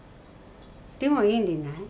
でもいいんでない？